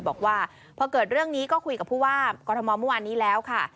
บอกว่าพอเกิดเรื่องนี้ก็คุยกับผู้ว่ากรทมเมื่อวานนี้แล้วค่ะ